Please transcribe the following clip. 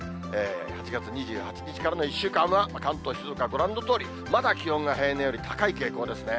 ８月２８日からの１週間は関東、静岡はご覧のとおり、まだ気温が平年より高い傾向ですね。